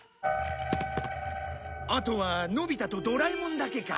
あとはのび太とドラえもんだけか。